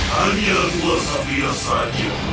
hanya dua satria saja